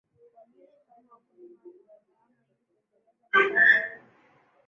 Waliishi kama wakulima wanaohamahama Ili kuendeleza matakwa yao